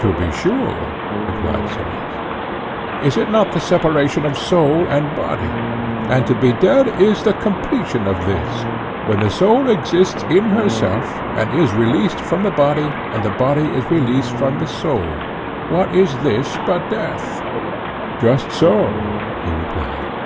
To be sure, replied Simmias. Is it not the separation of soul and body? And to be dead is the completion of this; when the soul exists in herself, and is released from the body and the body is released from the soul, what is this but death? Just so, he replied.